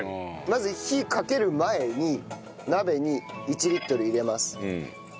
まず火かける前に鍋に１リットル入れます。